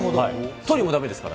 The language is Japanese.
トイレもだめですからね。